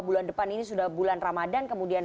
bulan depan ini sudah bulan ramadhan kemudian